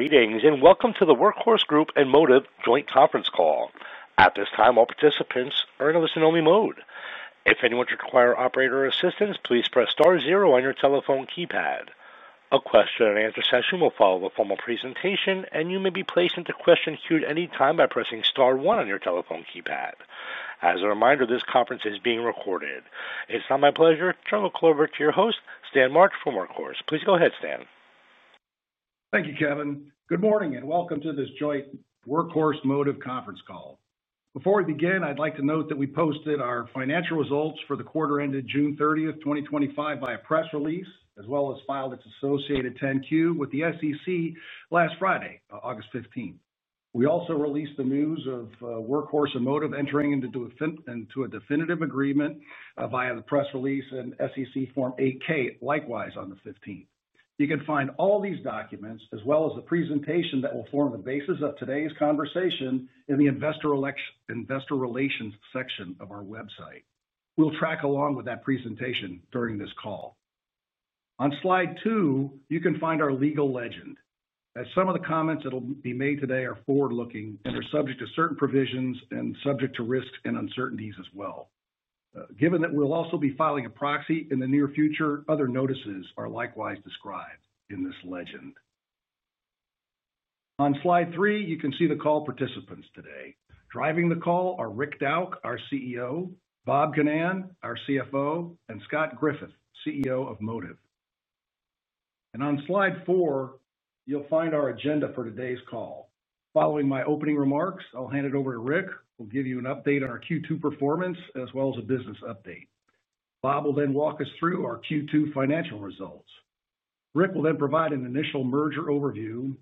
Greetings and welcome to the Workhorse Group and Motiv joint conference call. At this time, all participants are in a listen-only mode. If anyone should require operator assistance, please press star zero on your telephone keypad. A question and answer session will follow the formal presentation, and you may be placed into the question queue at any time by pressing star one on your telephone keypad. As a reminder, this conference is being recorded. It's now my pleasure to turn the call over to your host, Stan March from Workhorse. Please go ahead, Stan. Thank you, Kevin. Good morning and welcome to this joint Workhorse-Motiv conference call. Before we begin, I'd like to note that we posted our financial results for the quarter ended June 30th, 2025, via press release, as well as filed its associated 10-Q with the SEC last Friday, August 15th. We also released the news of Workhorse and Motiv entering into a definitive agreement via the press release and SEC Form 8-K, likewise on the 15th. You can find all these documents, as well as the presentation that will form the basis of today's conversation, in the Investor Relations section of our website. We'll track along with that presentation during this call. On slide two, you can find our legal legend, as some of the comments that will be made today are forward-looking and are subject to certain provisions and subject to risks and uncertainties as well. Given that we'll also be filing a proxy in the near future, other notices are likewise described in this legend. On slide three, you can see the call participants today. Driving the call are Rick Dauch, our CEO, Bob Ginnan, our CFO, and Scott Griffith, CEO of Motiv. On slide four, you'll find our agenda for today's call. Following my opening remarks, I'll hand it over to Rick, who will give you an update on our Q2 performance, as well as a business update. Bob will then walk us through our Q2 financial results. Rick will then provide an initial merger overview.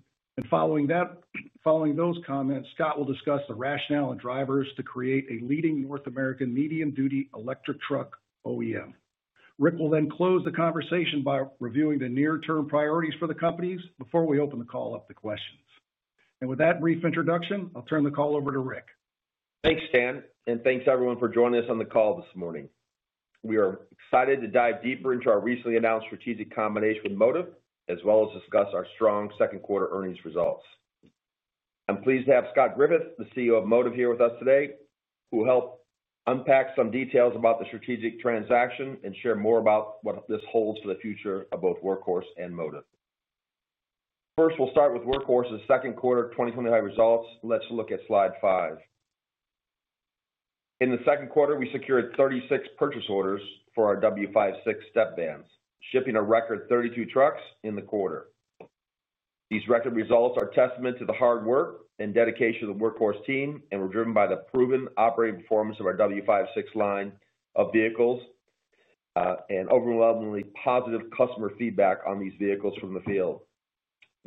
Following those comments, Scott will discuss the rationale and drivers to create a leading North American medium-duty electric truck OEM. Rick will then close the conversation by reviewing the near-term priorities for the companies before we open the call up to questions. With that brief introduction, I'll turn the call over to Rick. Thanks, Stan, and thanks everyone for joining us on the call this morning. We are excited to dive deeper into our recently announced strategic combination with Motiv, as well as discuss our strong second quarter earnings results. I'm pleased to have Scott Griffith, the CEO of Motiv, here with us today, who will help unpack some details about the strategic transaction and share more about what this holds for the future of both Workhorse and Motiv. First, we'll start with Workhorse's second quarter 2025 results. Let's look at slide five. In the second quarter, we secured 36 purchase orders for our W56 step vans, shipping a record 32 trucks in the quarter. These record results are a testament to the hard work and dedication of the Workhorse team, and were driven by the proven operating performance of our W56 line of vehicles and overwhelmingly positive customer feedback on these vehicles from the field.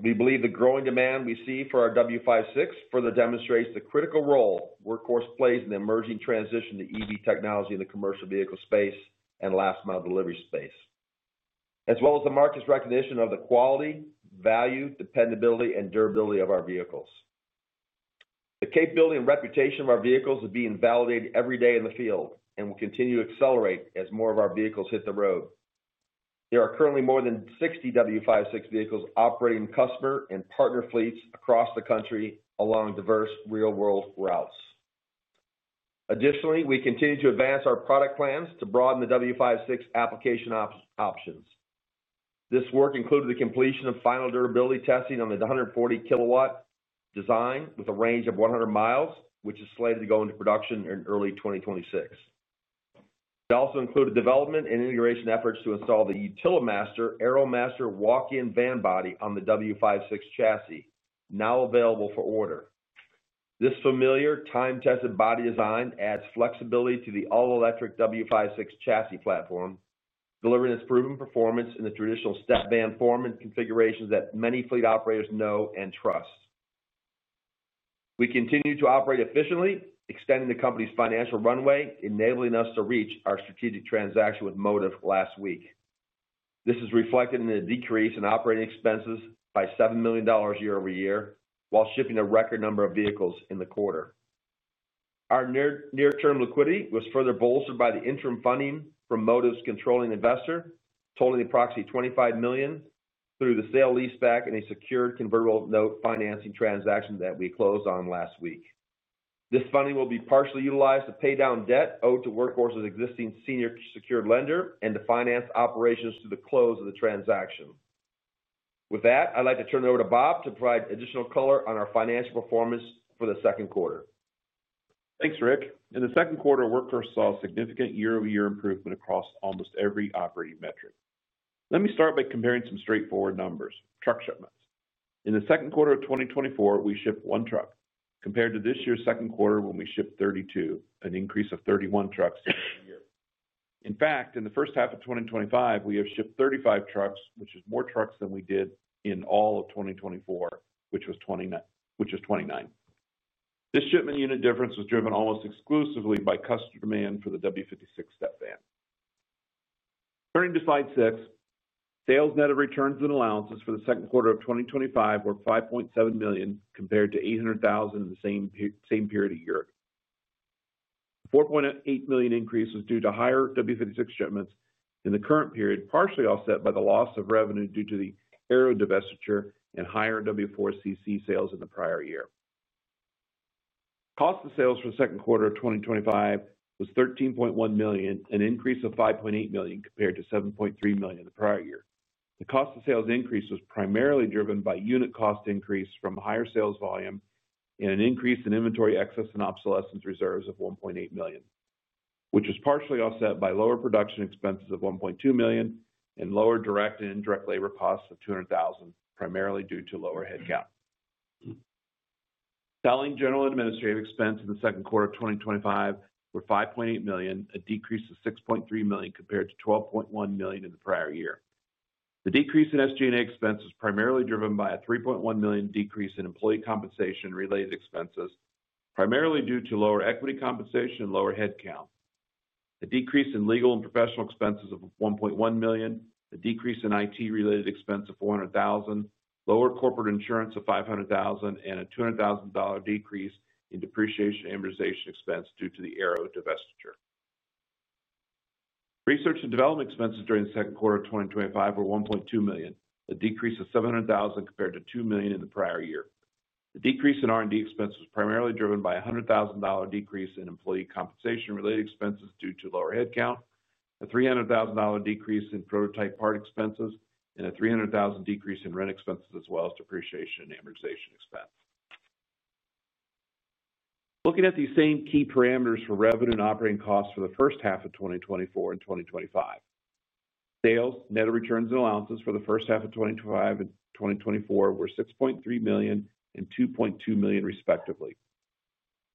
We believe the growing demand we see for our W56 further demonstrates the critical role Workhorse plays in the emerging transition to EV technology in the commercial vehicle space and last-mile delivery space, as well as the market's recognition of the quality, value, dependability, and durability of our vehicles. The capability and reputation of our vehicles is being validated every day in the field and will continue to accelerate as more of our vehicles hit the road. There are currently more than 60 W56 vehicles operating in customer and partner fleets across the country along diverse real-world routes. Additionally, we continue to advance our product plans to broaden the W56 application options. This work included the completion of final durability testing on the 140 kW design with a range of 100 mi, which is slated to go into production in early 2026. It also included development and integration efforts to install the Utilimaster AeroMaster walk-in van body on the W56 chassis, now available for order. This familiar, time-tested body design adds flexibility to the all-electric W56 chassis platform, delivering its proven performance in the traditional step van form and configurations that many fleet operators know and trust. We continue to operate efficiently, extending the company's financial runway, enabling us to reach our strategic transaction with Motiv last week. This is reflected in a decrease in operating expenses by $7 million year-over-year, while shipping a record number of vehicles in the quarter. Our near-term liquidity was further bolstered by the interim funding from Motiv's controlling investor, totaling approximately $25 million through the sale-leaseback and a secured convertible note financing transaction that we closed on last week. This funding will be partially utilized to pay down debt owed to Workhorse's existing senior secured lender and to finance operations through the close of the transaction. With that, I'd like to turn it over to Bob to provide additional color on our financial performance for the second quarter. Thanks, Rick. In the second quarter, Workhorse saw significant year-over-year improvement across almost every operating metric. Let me start by comparing some straightforward numbers: truck shipments. In the second quarter of 2024, we shipped one truck, compared to this year's second quarter when we shipped 32, an increase of 31 trucks year-over-year. In fact, in the first half of 2025, we have shipped 35 trucks, which is more trucks than we did in all of 2024, which was 29. This shipment unit difference was driven almost exclusively by customer demand for the W56 step van. Turning to slide six, sales net of returns and allowances for the second quarter of 2025 were $5.7 million, compared to $800,000 in the same period of prior year. The $4.8 million increase was due to higher W56 shipments in the current period, partially offset by the loss of revenue due to the Aero divestiture and higher W4 CC sales in the prior year. Cost of sales for the second quarter of 2025 was $13.1 million, an increase of $5.8 million compared to $7.3 million in the prior year. The cost of sales increase was primarily driven by unit cost increase from higher sales volume and an increase in inventory excess and obsolescence reserves of $1.8 million, which was partially offset by lower production expenses of $1.2 million and lower direct and indirect labor costs of $200,000, primarily due to lower headcount. Selling, general and administrative expense in the second quarter of 2025 were $5.8 million, a decrease of $6.3 million compared to $12.1 million in the prior year. The decrease in SG&A expense was primarily driven by a $3.1 million decrease in employee compensation-related expenses, primarily due to lower equity compensation and lower headcount, a decrease in legal and professional expenses of $1.1 million, a decrease in IT-related expense of $400,000, lower corporate insurance of $500,000, and a $200,000 decrease in depreciation and amortization expense due to the Aero divestiture. Research and development expenses during the second quarter of 2025 were $1.2 million, a decrease of $700,000 compared to $2 million in the prior year. The decrease in R&D expense was primarily driven by a $100,000 decrease in employee compensation-related expenses due to lower headcount, a $300,000 decrease in prototype part expenses, and a $300,000 decrease in rent expenses, as well as depreciation and amortization expense. Looking at these same key parameters for revenue and operating costs for the first half of 2024 and 2025, sales net of returns and allowances for the first half of 2025 and 2024 were $6.3 million and $2.2 million, respectively.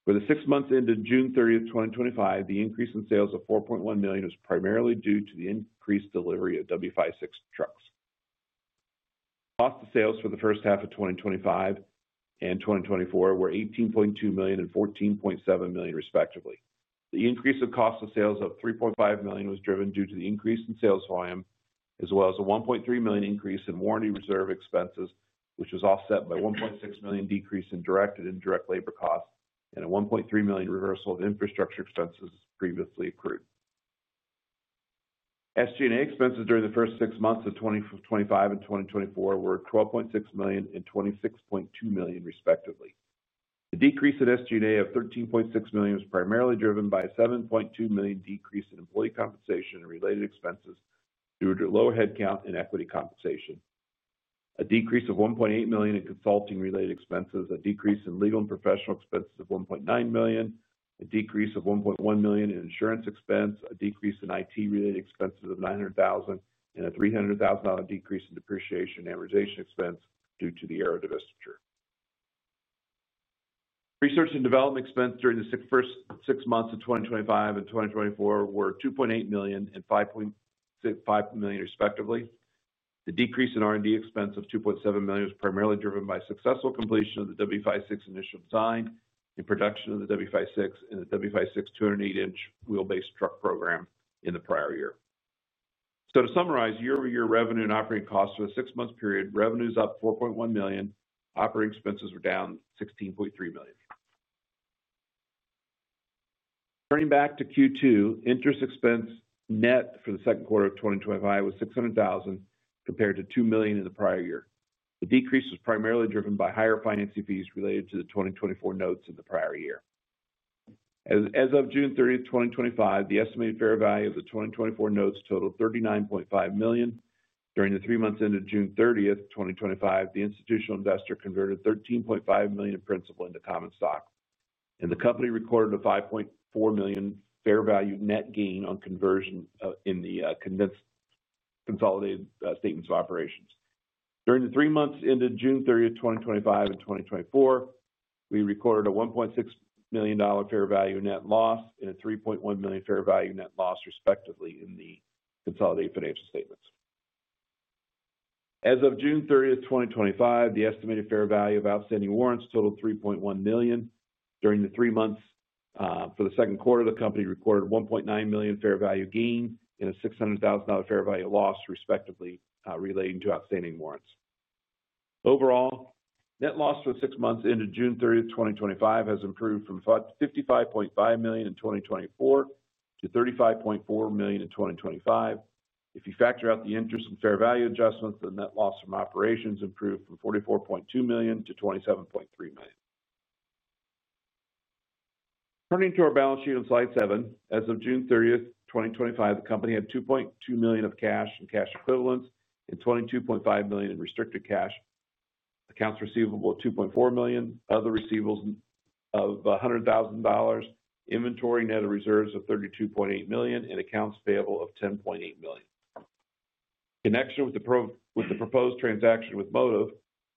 For the six months ended June 30th, 2025, the increase in sales of $4.1 million was primarily due to the increased delivery of W56 trucks. Cost of sales for the first half of 2025 and 2024 were $18.2 million and $14.7 million, respectively. The increase in cost of sales of $3.5 million was driven due to the increase in sales volume, as well as a $1.3 million increase in warranty reserve expenses, which was offset by a $1.6 million decrease in direct and indirect labor costs, and a $1.3 million reversal of infrastructure expenses previously accrued. SG&A expenses during the first six months of 2025 and 2024 were $12.6 million and $26.2 million, respectively. The decrease in SG&A of $13.6 million was primarily driven by a $7.2 million decrease in employee compensation and related expenses due to lower headcount and equity compensation, a decrease of $1.8 million in consulting-related expenses, a decrease in legal and professional expenses of $1.9 million, a decrease of $1.1 million in insurance expense, a decrease in IT-related expenses of $900,000, and a $300,000 decrease in depreciation and amortization expense due to the Aero divestiture. Research and development expense during the first six months of 2025 and 2024 were $2.8 million and $5.5 million, respectively. The decrease in R&D expense of $2.7 million was primarily driven by successful completion of the W56 initial design and production of the W56 and the W56 208-in wheelbase truck program in the prior year. To summarize, year-over-year revenue and operating costs for the six-month period, revenue is up $4.1 million, operating expenses were down $16.3 million. Turning back to Q2, interest expense net for the second quarter of 2025 was $600,000 compared to $2 million in the prior year. The decrease was primarily driven by higher financing fees related to the 2024 notes in the prior year. As of June 30th, 2025, the estimated fair value of the 2024 notes totaled $39.5 million. During the three months ended June 30th, 2025, the institutional investor converted $13.5 million in principal into common stock, and the company recorded a $5.4 million fair value net gain on conversion in the condensed consolidated statements of operations. During the three months ended June 30th, 2025 and 2024, we recorded a $1.6 million fair value net loss and a $3.1 million fair value net loss, respectively, in the consolidated financial statements. As of June 30th, 2025, the estimated fair value of outstanding warrants totaled $3.1 million. During the three months for the second quarter, the company recorded a $1.9 million fair value gain and a $600,000 fair value loss, respectively, relating to outstanding warrants. Overall, net loss for the six months ended June 30th, 2025 has improved from $55.5 million in 2024 to $35.4 million in 2025. If you factor out the interest and fair value adjustments, the net loss from operations improved from $44.2 million to $27.3 million. Turning to our balance sheet on slide seven, as of June 30th, 2025, the company had $2.2 million of cash and cash equivalents and $22.5 million in restricted cash, accounts receivable of $2.4 million, other receivables of $100,000, inventory net of reserves of $32.8 million, and accounts payable of $10.8 million. In connection with the proposed transaction with Motiv,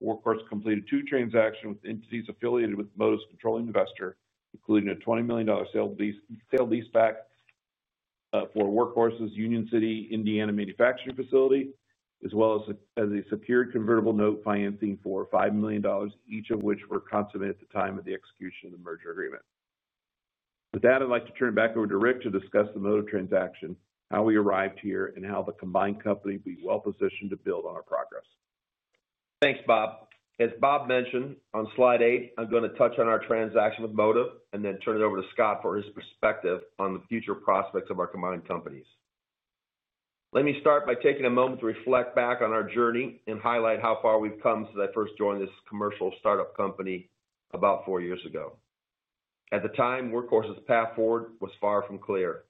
Workhorse completed two transactions with entities affiliated with Motiv's controlling investor, including a $20 million sale-leaseback for Workhorse's Union City, Indiana manufacturing facility, as well as a secured convertible note financing for $5 million, each of which were consummated at the time of the execution of the merger agreement. With that, I'd like to turn it back over to Rick to discuss the Motiv transaction, how we arrived here, and how the combined company will be well-positioned to build on our progress. Thanks, Bob. As Bob mentioned on slide eight, I'm going to touch on our transaction with Motiv and then turn it over to Scott for his perspective on the future prospects of our combined companies. Let me start by taking a moment to reflect back on our journey and highlight how far we've come since I first joined this commercial startup company about four years ago. At the time, Workhorse's path forward was far from clear.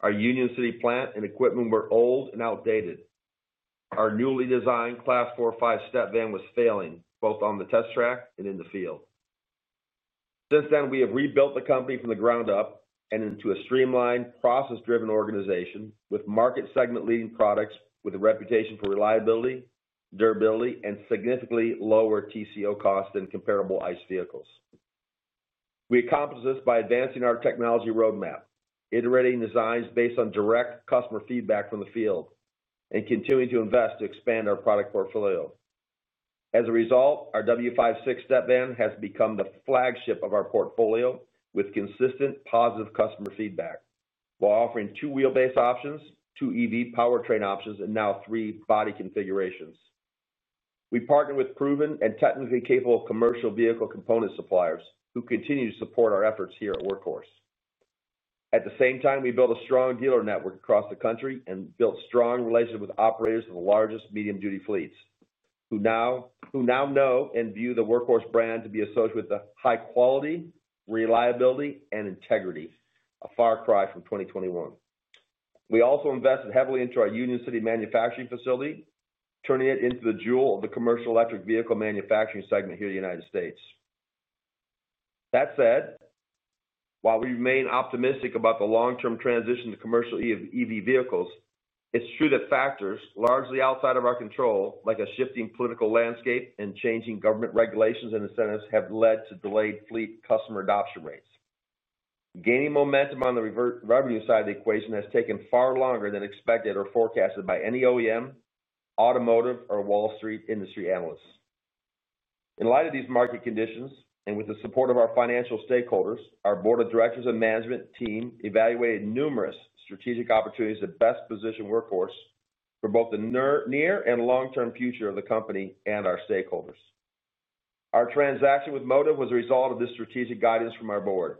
Our Union City plant and equipment were old and outdated. Our newly designed Class 4, 5 step van was failing both on the test track and in the field. Since then, we have rebuilt the company from the ground up and into a streamlined, process-driven organization with market-segment-leading products with a reputation for reliability, durability, and significantly lower TCO cost than comparable ICE vehicles. We accomplished this by advancing our technology roadmap, iterating designs based on direct customer feedback from the field, and continuing to invest to expand our product portfolio. As a result, our W56 step van has become the flagship of our portfolio with consistent positive customer feedback, while offering two wheelbase options, two EV powertrain options, and now three body configurations. We partnered with proven and technically capable commercial vehicle component suppliers who continue to support our efforts here at Workhorse. At the same time, we built a strong dealer network across the country and built strong relations with operators of the largest medium-duty fleets who now know and view the Workhorse brand to be associated with the high quality, reliability, and integrity, a far cry from 2021. We also invested heavily into our Union City manufacturing facility, turning it into the jewel of the commercial electric vehicle manufacturing segment here in the United States. That said, while we remain optimistic about the long-term transition to commercial electric vehicles, it's true that factors largely outside of our control, like a shifting political landscape and changing government regulations and incentives, have led to delayed fleet customer adoption rates. Gaining momentum on the revenue side of the equation has taken far longer than expected or forecasted by any OEM, automotive, or Wall Street industry analysts. In light of these market conditions and with the support of our financial stakeholders, our Board of Directors and management team evaluated numerous strategic opportunities that best position Workhorse for both the near and long-term future of the company and our stakeholders. Our transaction with Motiv was a result of this strategic guidance from our Board.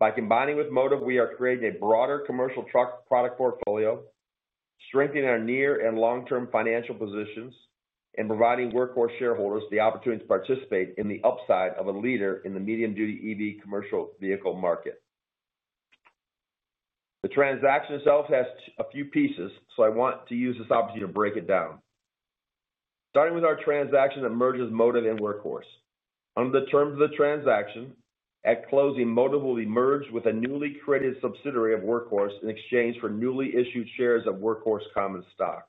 By combining with Motiv, we are creating a broader commercial truck product portfolio, strengthening our near and long-term financial positions, and providing Workhorse shareholders the opportunity to participate in the upside of a leader in the medium-duty EV commercial vehicle market. The transaction itself has a few pieces, so I want to use this opportunity to break it down. Starting with our transaction that merges Motiv and Workhorse. Under the terms of the transaction, at closing, Motiv will be merged with a newly created subsidiary of Workhorse in exchange for newly issued shares of Workhorse common stock.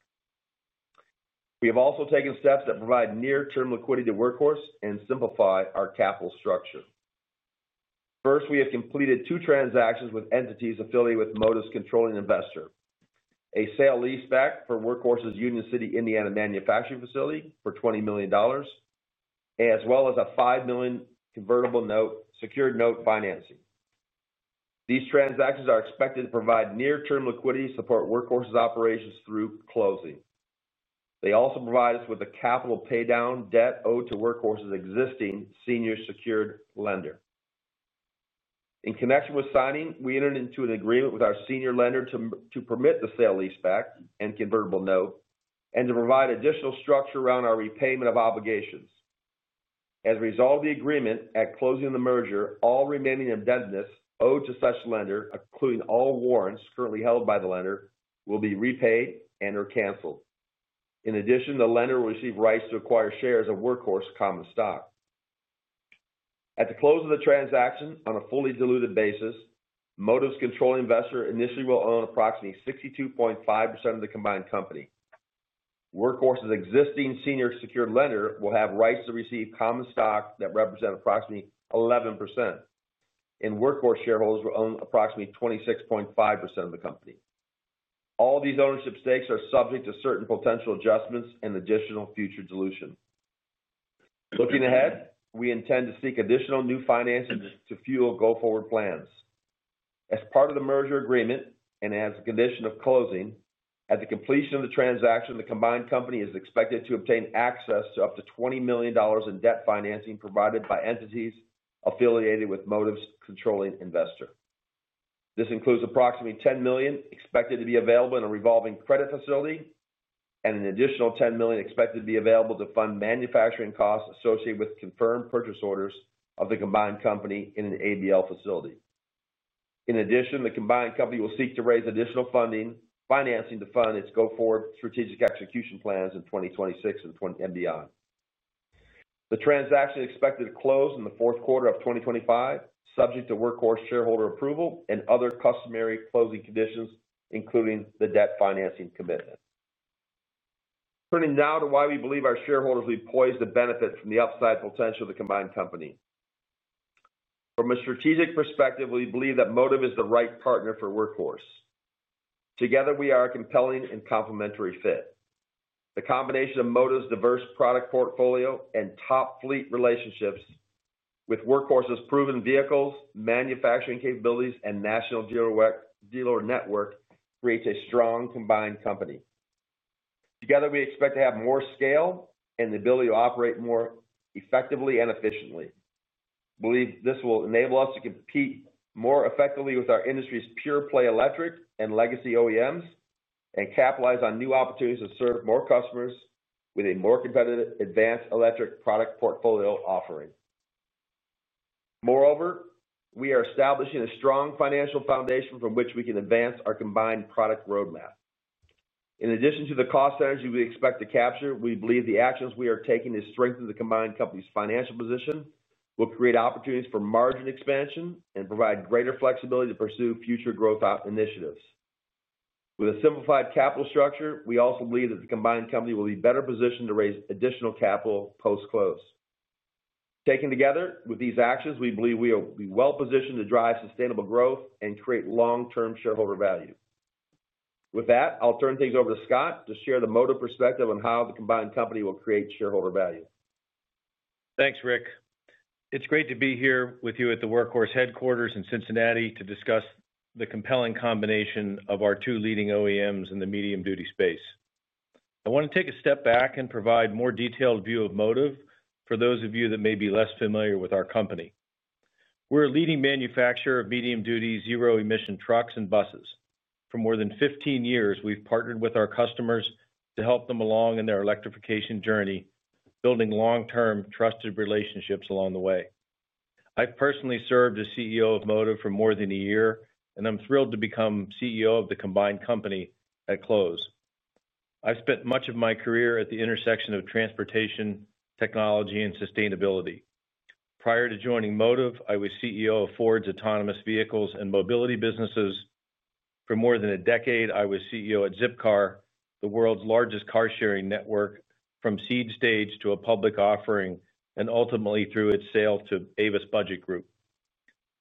We have also taken steps that provide near-term liquidity to Workhorse and simplify our capital structure. First, we have completed two transactions with entities affiliated with Motiv's controlling investor: a sale-leaseback for Workhorse's Union City, Indiana manufacturing facility for $20 million, as well as a $5 million secured convertible note financing. These transactions are expected to provide near-term liquidity to support Workhorse's operations through closing. They also provide us with a capital paydown debt owed to Workhorse's existing senior secured lender. In connection with signing, we entered into an agreement with our senior lender to permit the sale-leaseback and secured convertible note and to provide additional structure around our repayment of obligations. As a result of the agreement, at closing of the merger, all remaining indebtedness owed to such lender, including all warrants currently held by the lender, will be repaid and/or canceled. In addition, the lender will receive rights to acquire shares of Workhorse common stock. At the close of the transaction, on a fully diluted basis, Motiv's controlling investor initially will own approximately 62.5% of the combined company. Workhorse's existing senior secured lender will have rights to receive common stock that represent approximately 11%, and Workhorse shareholders will own approximately 26.5% of the company. All of these ownership stakes are subject to certain potential adjustments and additional future dilution. Looking ahead, we intend to seek additional new finances to fuel go-forward plans. As part of the merger agreement and as a condition of closing, at the completion of the transaction, the combined company is expected to obtain access to up to $20 million in debt financing provided by entities affiliated with Motiv's controlling investor. This includes approximately $10 million expected to be available in a revolving credit facility and an additional $10 million expected to be available to fund manufacturing costs associated with confirmed purchase orders of the combined company in an ABL facility. In addition, the combined company will seek to raise additional funding to fund its go-forward strategic execution plans in 2026 and beyond. The transaction is expected to close in the fourth quarter of 2025, subject to Workhorse shareholder approval and other customary closing conditions, including the debt financing commitment. Turning now to why we believe our shareholders will be poised to benefit from the upside potential of the combined company. From a strategic perspective, we believe that Motiv is the right partner for Workhorse. Together, we are a compelling and complementary fit. The combination of Motiv's diverse product portfolio and top fleet relationships with Workhorse's proven vehicles, manufacturing capabilities, and national dealer network creates a strong combined company. Together, we expect to have more scale and the ability to operate more effectively and efficiently. We believe this will enable us to compete more effectively with our industry's pure play electric and legacy OEMs and capitalize on new opportunities to serve more customers with a more competitive, advanced electric product portfolio offering. Moreover, we are establishing a strong financial foundation from which we can advance our combined product roadmap. In addition to the cost synergies we expect to capture, we believe the actions we are taking to strengthen the combined company's financial position will create opportunities for margin expansion and provide greater flexibility to pursue future growth initiatives. With a simplified capital structure, we also believe that the combined company will be better positioned to raise additional capital post-close. Taken together with these actions, we believe we will be well-positioned to drive sustainable growth and create long-term shareholder value. With that, I'll turn things over to Scott to share the Motiv perspective on how the combined company will create shareholder value. Thanks, Rick. It's great to be here with you at the Workhorse Headquarters in Cincinnati to discuss the compelling combination of our two leading OEMs in the medium-duty space. I want to take a step back and provide a more detailed view of Motiv for those of you that may be less familiar with our company. We're a leading manufacturer of medium-duty, zero-emission trucks and buses. For more than 15 years, we've partnered with our customers to help them along in their electrification journey, building long-term trusted relationships along the way. I've personally served as CEO of Motiv for more than a year, and I'm thrilled to become CEO of the combined company at close. I've spent much of my career at the intersection of transportation, technology, and sustainability. Prior to joining Motiv, I was CEO of Ford's autonomous vehicles and mobility businesses. For more than a decade, I was CEO at Zipcar, the world's largest car-sharing network, from seed stage to a public offering and ultimately through its sale to Avis Budget Group.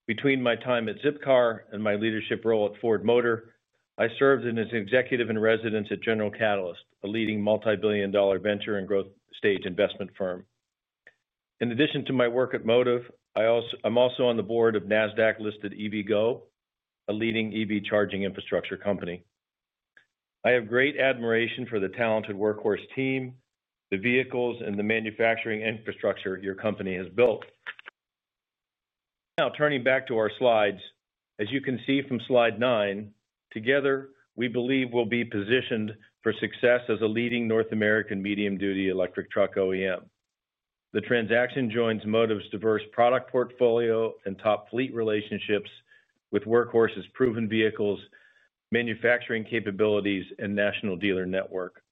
Between my time at Zipcar and my leadership role at Ford Motor, I served as an executive in residence at General Catalyst, a leading multi-billion dollar venture and growth stage investment firm. In addition to my work at Motiv, I'm also on the Board of NASDAQ-listed EVgo, a leading EV charging infrastructure company. I have great admiration for the talented Workhorse team, the vehicles, and the manufacturing infrastructure your company has built. Now, turning back to our slides, as you can see from slide nine, together we believe we'll be positioned for success as a leading North American medium-duty electric truck OEM. The transaction joins Motiv's diverse product portfolio and top fleet relationships with Workhorse's proven vehicles, manufacturing capabilities, and national dealer network.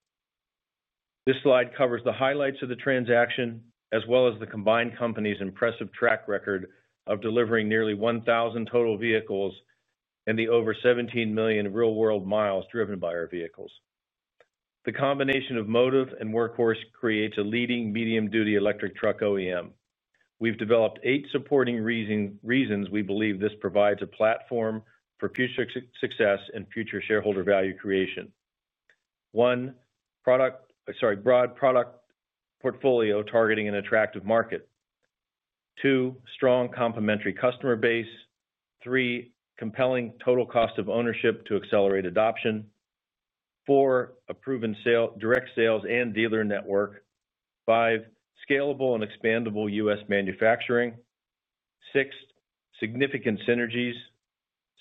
This slide covers the highlights of the transaction, as well as the combined company's impressive track record of delivering nearly 1,000 total vehicles and the over 17 million real-world miles driven by our vehicles. The combination of Motiv and Workhorse creates a leading medium-duty electric truck OEM. We've developed eight supporting reasons we believe this provides a platform for future success and future shareholder value creation. One, broad product portfolio targeting an attractive market. Two, strong complementary customer base. Three, compelling total cost of ownership to accelerate adoption. Four, a proven direct sales and dealer network. Five, scalable and expandable U.S. manufacturing. Six, significant synergies.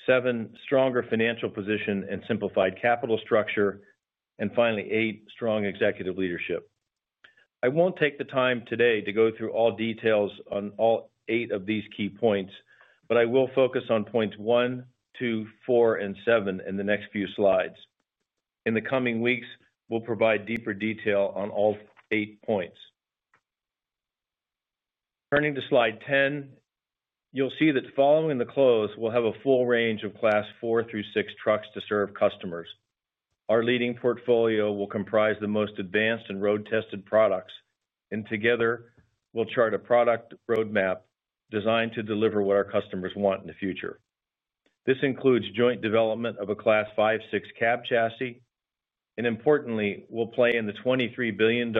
Seven, stronger financial position and simplified capital structure. Finally, eight, strong executive leadership. I won't take the time today to go through all details on all eight of these key points, but I will focus on points one, two, four, and seven in the next few slides. In the coming weeks, we'll provide deeper detail on all eight points. Turning to slide 10, you'll see that following the close, we'll have a full range of Class 4–6 trucks to serve customers. Our leading portfolio will comprise the most advanced and road-tested products, and together we'll chart a product roadmap designed to deliver what our customers want in the future. This includes joint development of a Class 5/6 cab chassis, and importantly, we'll play in the $23 billion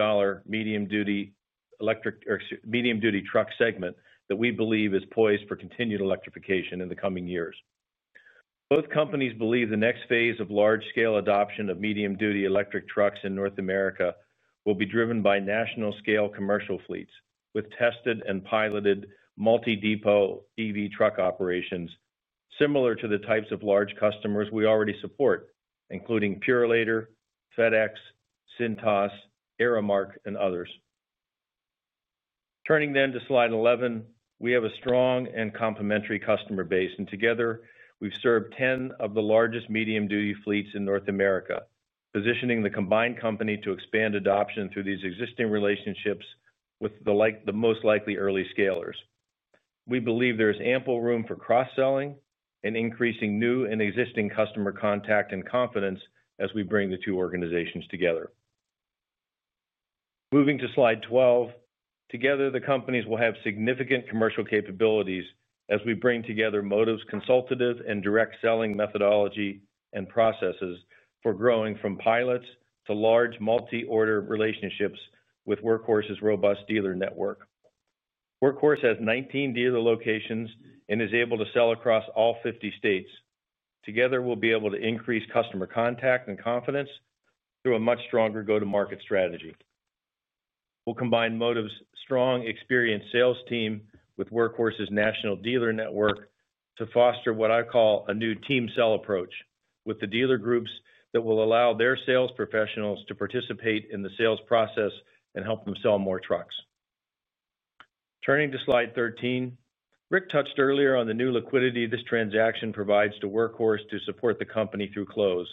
medium-duty truck segment that we believe is poised for continued electrification in the coming years. Both companies believe the next phase of large-scale adoption of medium-duty electric trucks in North America will be driven by national-scale commercial fleets with tested and piloted multi-depot EV truck operations, similar to the types of large customers we already support, including Purolator, FedEx, Cintas, Aramark, and others. Turning then to slide 11, we have a strong and complementary customer base, and together we've served 10 of the largest medium-duty fleets in North America, positioning the combined company to expand adoption through these existing relationships with the most likely early scalers. We believe there is ample room for cross-selling and increasing new and existing customer contact and confidence as we bring the two organizations together. Moving to slide 12, together the companies will have significant commercial capabilities as we bring together Motiv's consultative and direct selling methodology and processes for growing from pilots to large multi-order relationships with Workhorse's robust dealer network. Workhorse has 19 dealer locations and is able to sell across all 50 states. Together we'll be able to increase customer contact and confidence through a much stronger go-to-market strategy. We'll combine Motiv's strong, experienced sales team with Workhorse's national dealer network to foster what I call a new team sell approach with the dealer groups that will allow their sales professionals to participate in the sales process and help them sell more trucks. Turning to slide 13, Rick touched earlier on the new liquidity this transaction provides to Workhorse to support the company through close.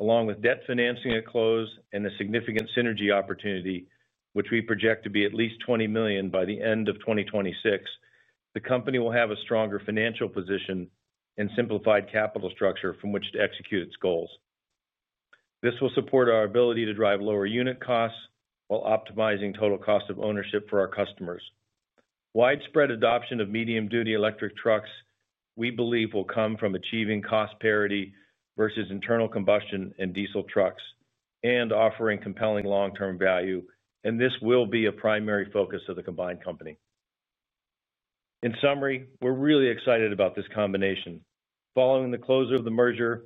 Along with debt financing at close and the significant synergy opportunity, which we project to be at least $20 million by the end of 2026, the company will have a stronger financial position and simplified capital structure from which to execute its goals. This will support our ability to drive lower unit costs while optimizing total cost of ownership for our customers. Widespread adoption of medium-duty electric trucks, we believe, will come from achieving cost parity versus internal combustion and diesel trucks and offering compelling long-term value. This will be a primary focus of the combined company. In summary, we're really excited about this combination. Following the close of the merger,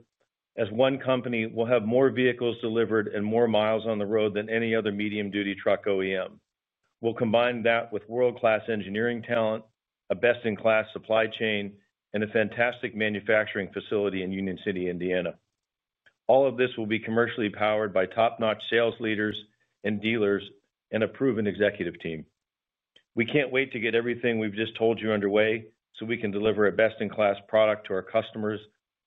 as one company, we'll have more vehicles delivered and more miles on the road than any other medium-duty truck OEM. We'll combine that with world-class engineering talent, a best-in-class supply chain, and a fantastic manufacturing facility in Union City, Indiana. All of this will be commercially powered by top-notch sales leaders and dealers and a proven executive team. We can't wait to get everything we've just told you underway so we can deliver a best-in-class product to our customers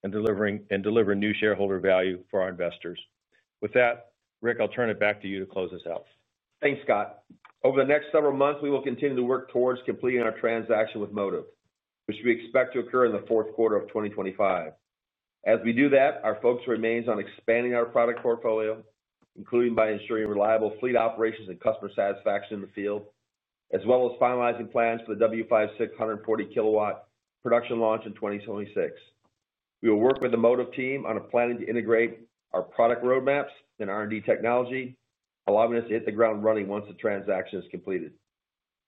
and deliver new shareholder value for our investors. With that, Rick, I'll turn it back to you to close this out. Thanks, Scott. Over the next several months, we will continue to work towards completing our transaction with Motiv, which we expect to occur in the fourth quarter of 2025. As we do that, our focus remains on expanding our product portfolio, including by ensuring reliable fleet operations and customer satisfaction in the field, as well as finalizing plans for the W56 140 kW production launch in 2026. We will work with the Motiv team on planning to integrate our product roadmaps and R&D technology, allowing us to hit the ground running once the transaction is completed.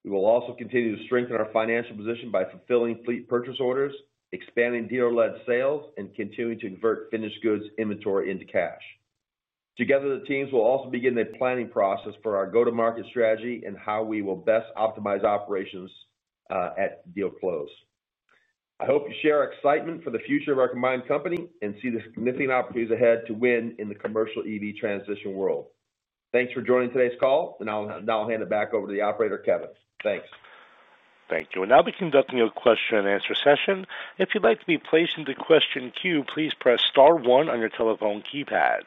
We will also continue to strengthen our financial position by fulfilling fleet purchase orders, expanding dealer-led sales, and continuing to convert finished goods inventory into cash. Together, the teams will also begin the planning process for our go-to-market strategy and how we will best optimize operations at deal close. I hope you share our excitement for the future of our combined company and see the significant opportunities ahead to win in the commercial EV transition world. Thanks for joining today's call, and I'll now hand it back over to the operator, Kevin. Thanks. Thank you. We'll now be conducting a question and answer session. If you'd like to be placed into the question queue, please press star one on your telephone keypad.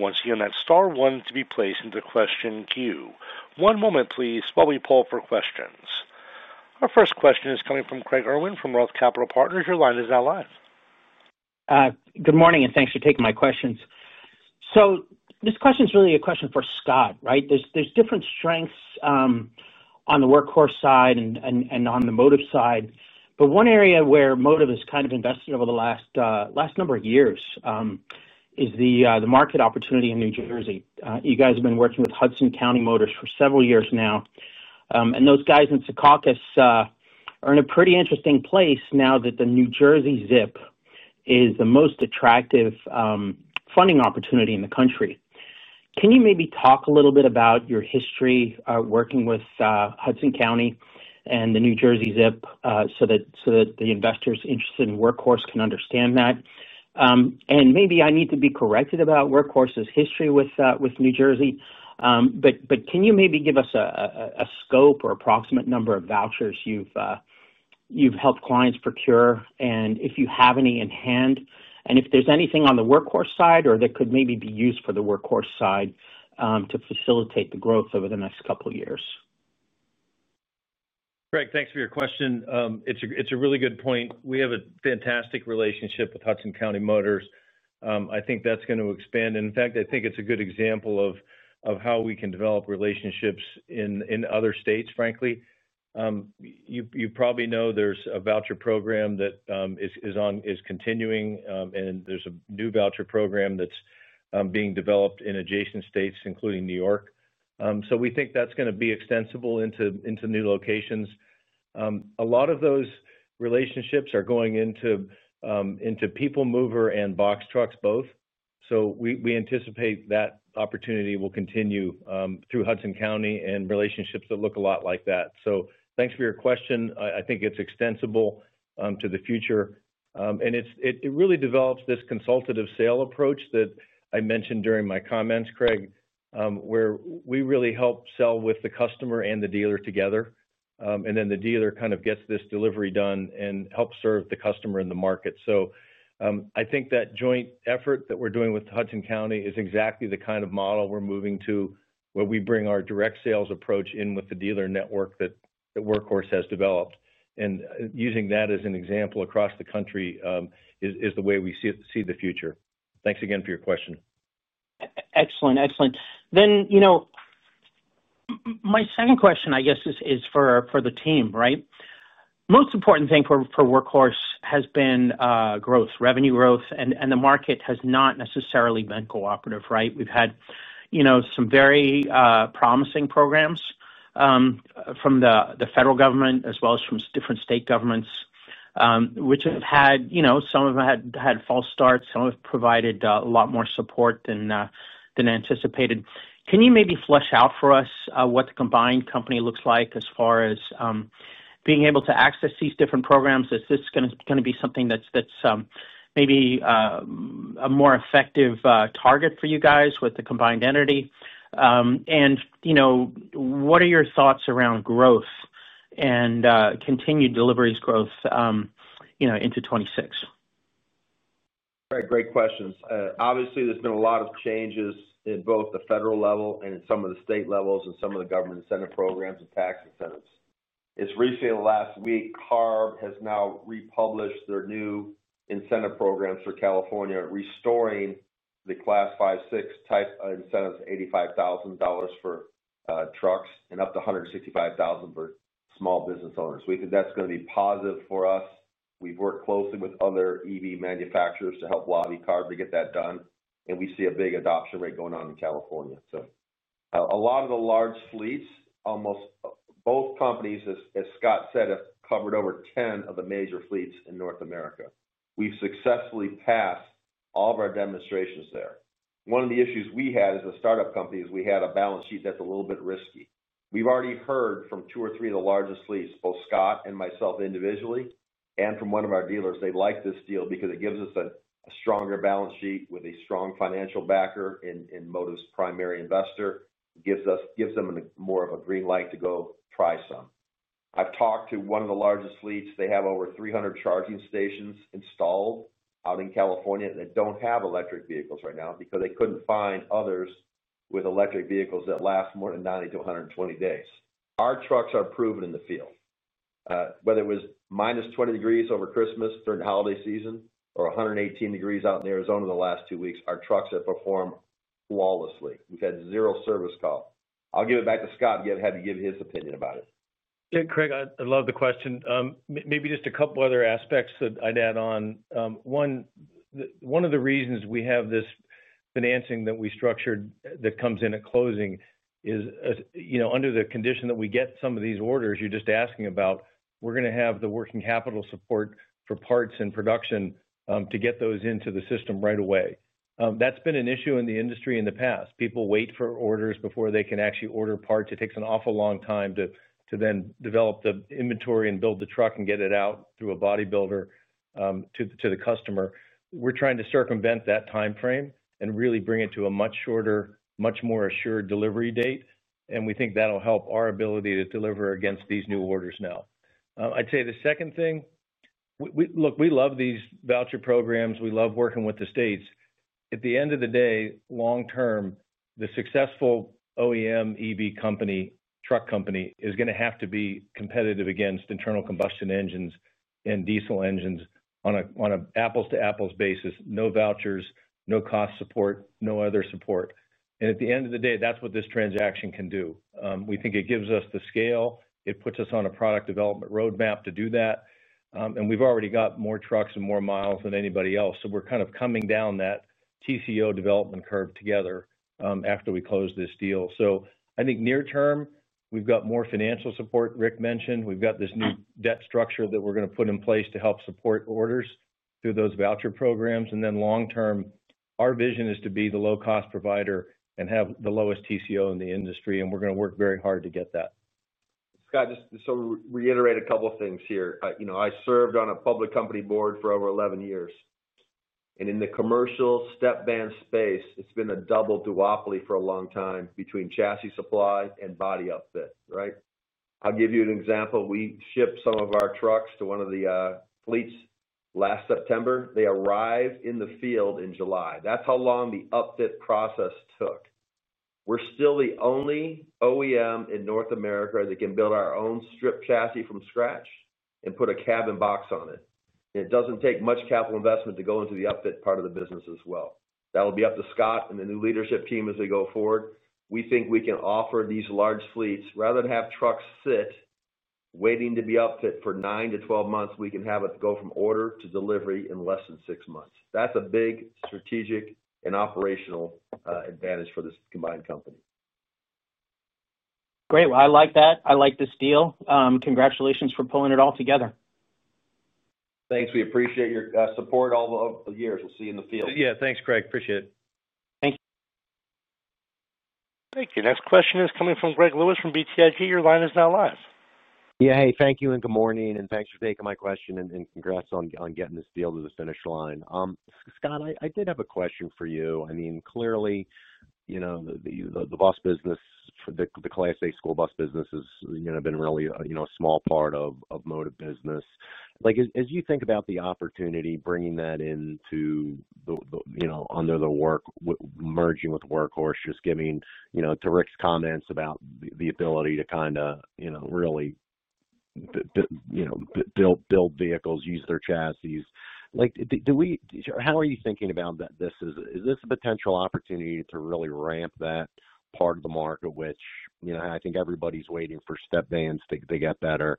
Once again, that's star one to be placed into the question queue. One moment, please, while we pull for questions. Our first question is coming from Craig Irwin from ROTH Capital Partners. Your line is now live. Good morning, and thanks for taking my questions. This question is really a question for Scott, right? There are different strengths on the Workhorse side and on the Motiv side. One area where Motiv has invested over the last number of years is the market opportunity in New Jersey. You guys have been working with Hudson County Motors for several years now, and those guys in Secaucus are in a pretty interesting place now that the New Jersey ZIP is the most attractive funding opportunity in the country. Can you maybe talk a little bit about your history working with Hudson County and the New Jersey ZIP, so that investors interested in Workhorse can understand that? Maybe I need to be corrected about Workhorse's history with New Jersey, but can you maybe give us a scope or approximate number of vouchers you've helped clients procure and if you have any in hand, and if there's anything on the Workhorse side that could maybe be used for the Workhorse side to facilitate the growth over the next couple of years? Craig, thanks for your question. It's a really good point. We have a fantastic relationship with Hudson County Motors. I think that's going to expand. In fact, I think it's a good example of how we can develop relationships in other states, frankly. You probably know there's a voucher program that is continuing, and there's a new voucher program that's being developed in adjacent states, including New York. We think that's going to be extensible into new locations. A lot of those relationships are going into people mover and box trucks both. We anticipate that opportunity will continue through Hudson County and relationships that look a lot like that. Thanks for your question. I think it's extensible to the future, and it really develops this consultative sale approach that I mentioned during my comments, Craig, where we really help sell with the customer and the dealer together. Then the dealer kind of gets this delivery done and helps serve the customer in the market. I think that joint effort that we're doing with Hudson County is exactly the kind of model we're moving to, where we bring our direct sales approach in with the dealer network that Workhorse has developed. Using that as an example across the country is the way we see the future. Thanks again for your question. Excellent, excellent. My second question, I guess, is for the team, right? The most important thing for Workhorse has been growth, revenue growth, and the market has not necessarily been cooperative, right? We've had some very promising programs from the federal government as well as from different state governments, which have had, you know, some of them had false starts, some have provided a lot more support than anticipated. Can you maybe flesh out for us what the combined company looks like as far as being able to access these different programs? Is this going to be something that's maybe a more effective target for you guys with the combined entity? What are your thoughts around growth and continued deliveries growth into 2026? Right, great questions. Obviously, there's been a lot of changes at both the federal level and in some of the state levels and some of the government incentive programs and tax incentives. Recently, in the last week, CARB has now republished their new incentive programs for California, restoring the Class 5/6 type incentives to $85,000 for trucks and up to $165,000 for small business owners. We think that's going to be positive for us. We've worked closely with other EV manufacturers to help lobby CARB to get that done. We see a big adoption rate going on in California. A lot of the large fleets, almost both companies, as Scott said, have covered over 10 of the major fleets in North America. We've successfully passed all of our demonstrations there. One of the issues we had as a startup company is we had a balance sheet that's a little bit risky. We've already heard from two or three of the largest fleets, both Scott and myself individually, and from one of our dealers, they like this deal because it gives us a stronger balance sheet with a strong financial backer in Motiv's primary investor. It gives them more of a green light to go try some. I've talked to one of the largest fleets. They have over 300 charging stations installed out in California, and they don't have electric vehicles right now because they couldn't find others with electric vehicles that last more than 90-120 days. Our trucks are proven in the field. Whether it was -20 degrees over Christmas during the holiday season or 118 degrees out in Arizona the last two weeks, our trucks have performed flawlessly. We've had zero service call. I'll give it back to Scott and have him give his opinion about it. Yeah. Craig, I love the question. Maybe just a couple other aspects that I'd add on. One of the reasons we have this financing that we structured that comes in at closing is, under the condition that we get some of these orders you're just asking about, we're going to have the working capital support for parts and production to get those into the system right away. That's been an issue in the industry in the past. People wait for orders before they can actually order parts. It takes an awful long time to then develop the inventory and build the truck and get it out through a bodybuilder to the customer. We're trying to circumvent that timeframe and really bring it to a much shorter, much more assured delivery date. We think that'll help our ability to deliver against these new orders now. I'd say the second thing, we love these voucher programs. We love working with the states. At the end of the day, long term, the successful OEM EV company, truck company, is going to have to be competitive against internal combustion engines and diesel engines on an apples-to-apples basis. No vouchers, no cost support, no other support. At the end of the day, that's what this transaction can do. We think it gives us the scale. It puts us on a product development roadmap to do that. We've already got more trucks and more miles than anybody else. We're kind of coming down that TCO development curve together after we close this deal. I think near term, we've got more financial support. Rick mentioned we've got this new debt structure that we're going to put in place to help support orders through those voucher programs. Long term, our vision is to be the low-cost provider and have the lowest TCO in the industry. We're going to work very hard to get that. Scott, just to reiterate a couple of things here. You know, I served on a public company board for over 11 years. In the commercial step van space, it's been a double duopoly for a long time between chassis supply and body upfit, right? I'll give you an example. We shipped some of our trucks to one of the fleets last September. They arrive in the field in July. That's how long the upfit process took. We're still the only OEM in North America that can build our own strip chassis from scratch and put a cabin box on it. It doesn't take much capital investment to go into the upfit part of the business as well. That'll be up to Scott and the new leadership team as we go forward. We think we can offer these large fleets, rather than have trucks sit waiting to be upfit for 9-12 months, we can have it go from order to delivery in less than six months. That's a big strategic and operational advantage for this combined company. Great. I like that. I like this deal. Congratulations for pulling it all together. Thanks. We appreciate your support all the years. We'll see you in the field. Yeah, thanks, Craig. Appreciate it. Thank you. Thank you. Next question is coming from Greg Lewis from BTIG. Your line is now live. Yeah, hey, thank you and good morning and thanks for taking my question and congrats on getting this deal to the finish line. Scott, I did have a question for you. I mean, clearly, you know, the bus business, the Class A school bus business has been really, you know, a small part of Motiv business. As you think about the opportunity, bringing that into the, you know, under the work merging with Workhorse, just giving, you know, to Rick's comments about the ability to kind of, you know, really, you know, build vehicles, use their chassis. Do we, how are you thinking about that? Is this a potential opportunity to really ramp that part of the market, which, you know, I think everybody's waiting for step vans to get better.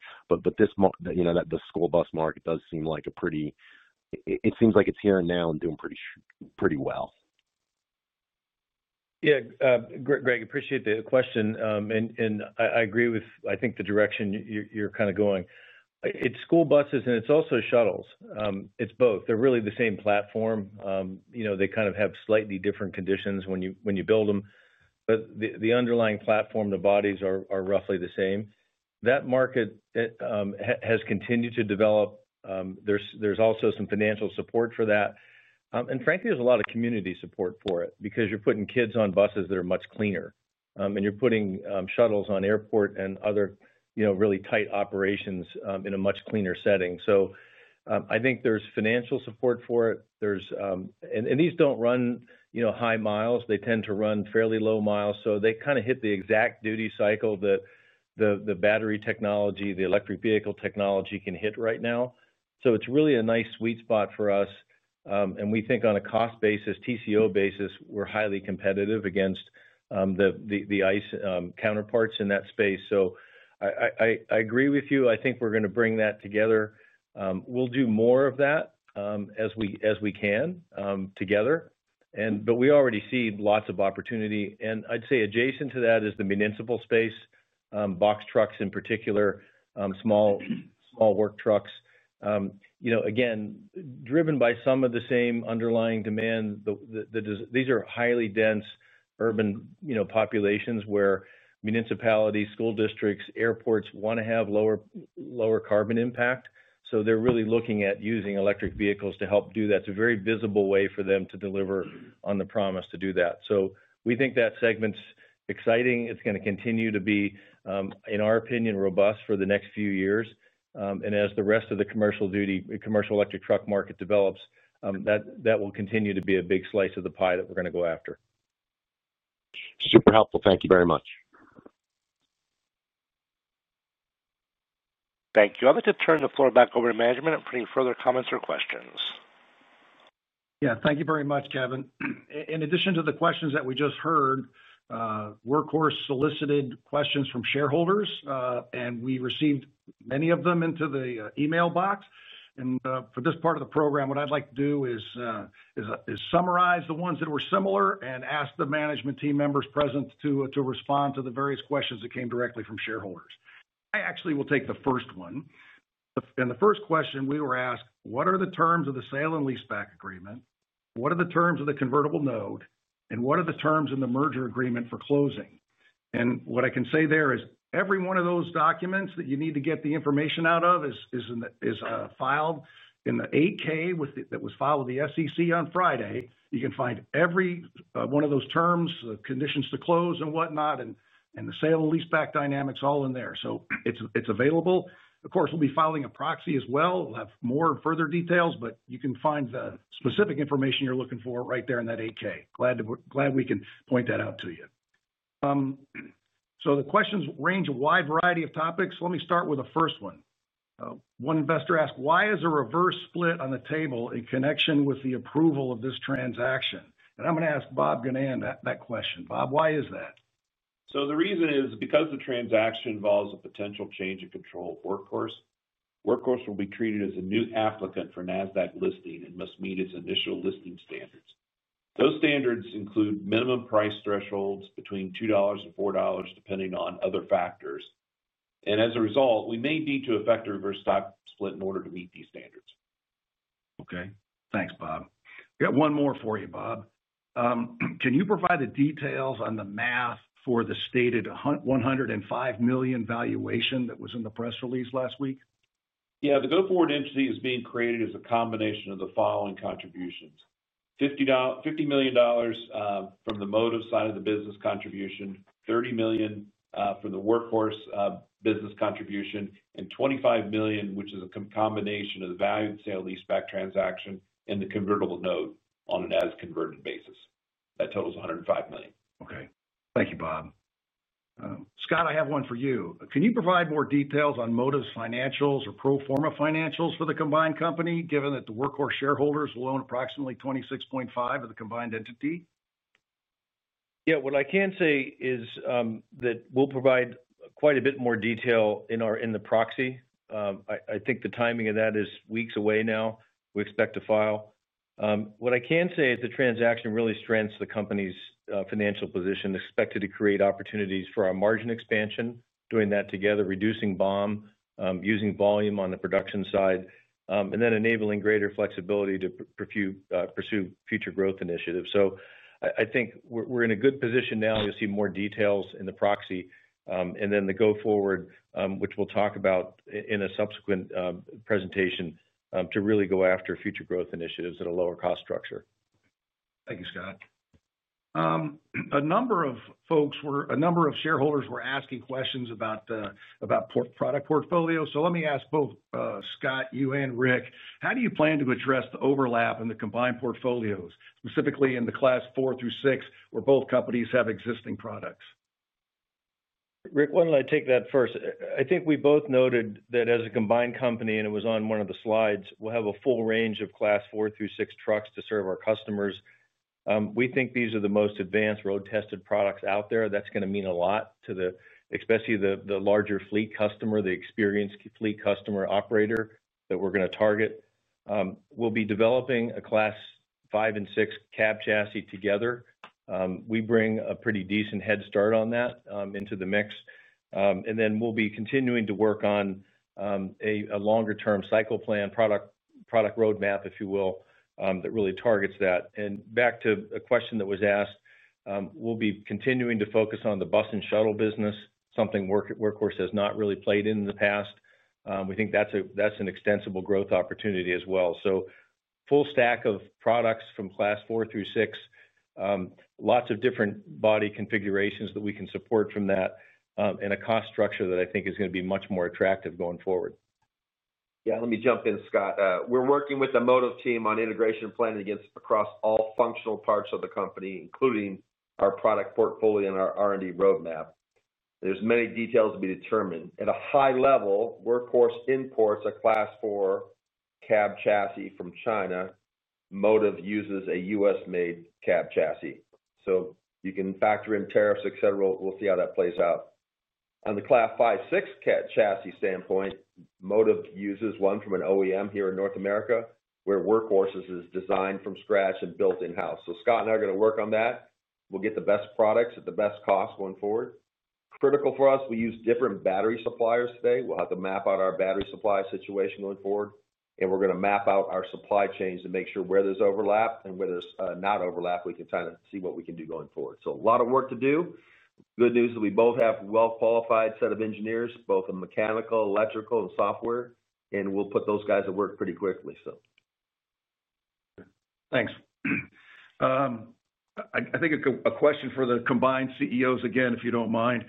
This, you know, that the school bus market does seem like a pretty, it seems like it's here and now and doing pretty, pretty well. Yeah, Greg, I appreciate the question. I agree with, I think the direction you're kind of going. It's school buses and it's also shuttles. It's both. They're really the same platform. They kind of have slightly different conditions when you build them, but the underlying platform, the bodies are roughly the same. That market has continued to develop. There's also some financial support for that. Frankly, there's a lot of community support for it because you're putting kids on buses that are much cleaner, and you're putting shuttles on airport and other, you know, really tight operations in a much cleaner setting. I think there's financial support for it. These don't run, you know, high miles. They tend to run fairly low miles, so they kind of hit the exact duty cycle that the battery technology, the electric vehicle technology can hit right now. It's really a nice sweet spot for us. We think on a cost basis, TCO basis, we're highly competitive against the internal combustion vehicles counterparts in that space. I agree with you. I think we're going to bring that together. We'll do more of that as we can together. We already see lots of opportunity. I'd say adjacent to that is the municipal space, box trucks in particular, small work trucks. Again, driven by some of the same underlying demand. These are highly dense urban, you know, populations where municipalities, school districts, airports want to have lower carbon impact. They're really looking at using electric vehicles to help do that. It's a very visible way for them to deliver on the promise to do that. We think that segment's exciting. It's going to continue to be, in our opinion, robust for the next few years. As the rest of the commercial duty, commercial electric truck market develops, that will continue to be a big slice of the pie that we're going to go after. Super helpful. Thank you very much. Thank you. I'll have to turn the floor back over to management for any further comments or questions. Yeah, thank you very much, Kevin. In addition to the questions that we just heard, Workhorse solicited questions from shareholders, and we received many of them into the email box. For this part of the program, what I'd like to do is summarize the ones that were similar and ask the management team members present to respond to the various questions that came directly from shareholders. I actually will take the first one. In the first question, we were asked, what are the terms of the sale-leaseback agreement? What are the terms of the secured convertible note? And what are the terms in the merger agreement for closing? What I can say there is every one of those documents that you need to get the information out of is filed in the 8-K that was filed with the SEC on Friday. You can find every one of those terms, the conditions to close, and whatnot, and the sale-leaseback dynamics all in there. It's available. Of course, we'll be filing a proxy as well. We'll have more further details, but you can find the specific information you're looking for right there in that 8-K. Glad we can point that out to you. The questions range a wide variety of topics. Let me start with the first one. One investor asked, why is a reverse split on the table in connection with the approval of this transaction? I'm going to ask Bob Ginnan that question. Bob, why is that? The reason is because the transaction involves a potential change in control of Workhorse. Workhorse will be treated as a new applicant for NASDAQ listing and must meet its initial listing standards. Those standards include minimum price thresholds between $2 and $4, depending on other factors. As a result, we may need to effect a reverse stock split in order to meet these standards. Okay, thanks, Bob. We got one more for you, Bob. Can you provide the details on the math for the stated $105 million valuation that was in the press release last week? Yeah, the go-forward entity is being created as a combination of the following contributions: $50 million from the Motiv side of the business contribution, $30 million from the Workhorse business contribution, and $25 million, which is a combination of the value and sale-leaseback transaction and the convertible note on an as-converted basis. That totals $105 million. Okay, thank you, Bob. Scott, I have one for you. Can you provide more details on Motiv's financials or pro forma financials for the combined company, given that the Workhorse shareholders will own approximately 26.5% of the combined entity? What I can say is that we'll provide quite a bit more detail in the proxy. I think the timing of that is weeks away now. We expect to file. What I can say is the transaction really strengthens the company's financial position, expected to create opportunities for our margin expansion, doing that together, reducing BOM, using volume on the production side, and then enabling greater flexibility to pursue future growth initiatives. I think we're in a good position now to see more details in the proxy and then the go-forward, which we'll talk about in a subsequent presentation, to really go after future growth initiatives at a lower cost structure. Thank you, Scott. A number of shareholders were asking questions about the product portfolio. Let me ask both Scott, you, and Rick. How do you plan to address the overlap in the combined portfolios, specifically in the Class 4–6, where both companies have existing products? Rick, why don't I take that first? I think we both noted that as a combined company, and it was on one of the slides, we'll have a full range of Class 4–6 trucks to serve our customers. We think these are the most advanced road-tested products out there. That's going to mean a lot to the, especially the larger fleet customer, the experienced fleet customer operator that we're going to target. We'll be developing a Class 5 and 6 cab chassis together. We bring a pretty decent head start on that into the mix, and then we'll be continuing to work on a longer-term cycle plan, product roadmap, if you will, that really targets that. Back to a question that was asked, we'll be continuing to focus on the bus and shuttle business, something Workhorse has not really played in in the past. We think that's an extensible growth opportunity as well. Full stack of products from Class 4–6, lots of different body configurations that we can support from that, and a cost structure that I think is going to be much more attractive going forward. Yeah, let me jump in, Scott. We're working with the Motiv team on integration and planning across all functional parts of the company, including our product portfolio and our R&D roadmap. There are many details to be determined. At a high level, Workhorse imports a Class 4 cab chassis from China. Motiv uses a U.S.-made cab chassis, so you can factor in tariffs, et cetera. We'll see how that plays out. On the Class 5/6 chassis standpoint, Motiv uses one from an OEM here in North America, where Workhorse is designed from scratch and built in-house. Scott and I are going to work on that. We'll get the best products at the best cost going forward. Critical for us, we use different battery suppliers today. We'll have to map out our battery supplier situation going forward. We're going to map out our supply chains to make sure where there's overlap and where there's not overlap, we can kind of see what we can do going forward. A lot of work to do. The good news is we both have a well-qualified set of engineers, both in mechanical, electrical, and software, and we'll put those guys at work pretty quickly. Thanks. I think a question for the combined CEOs again, if you don't mind.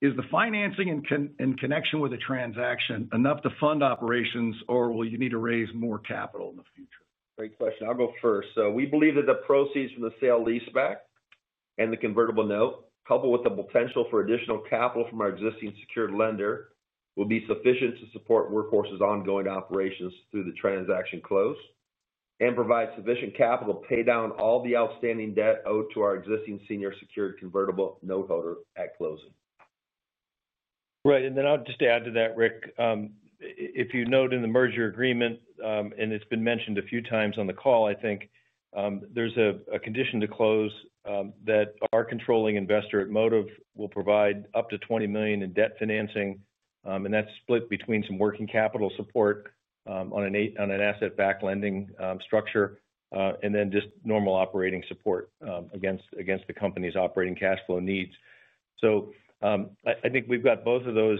Is the financing in connection with the transaction enough to fund operations, or will you need to raise more capital in the future? Great question. I'll go first. We believe that the proceeds from the sale-leaseback and the convertible note, coupled with the potential for additional capital from our existing secured lender, will be sufficient to support Workhorse's ongoing operations through the transaction close and provide sufficient capital to pay down all the outstanding debt owed to our existing senior secured convertible noteholder at closing. Right. I'll just add to that, Rick. If you note in the merger agreement, and it's been mentioned a few times on the call, I think there's a condition to close that our controlling investor at Motiv will provide up to $20 million in debt financing. That's split between some working capital support on an asset-backed lending structure and just normal operating support against the company's operating cash flow needs. I think we've got both of those